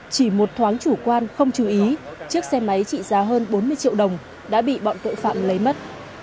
chỉ một thoáng chủ quan không chú ý chiếc xe máy trị giá hơn bốn mươi triệu đồng đã bị bọn tội phạm lấy mất